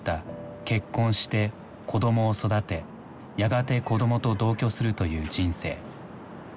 結婚して子どもを育てやがて子どもと同居するという人生。